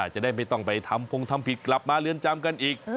จะได้ไม่ต้องไปทำพงทำผิดกลับมาเรือนจำกันอีก